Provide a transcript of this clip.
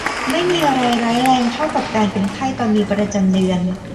ไม่มีอะไรร้ายแรงเท่ากับการเป็นไข้ตอนมีประจำเดือน